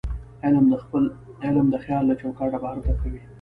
علم د خیال له چوکاټه بهر تګ کوي.